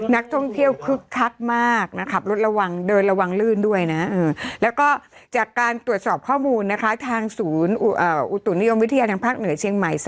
นักท่องเที่ยวคึกคักมากนะคะขับรถระวังเดินระวังลื่นด้วยนะแล้วก็จากการตรวจสอบข้อมูลนะคะทางศูนย์อุตุนิยมวิทยาทางภาคเหนือเชียงใหม่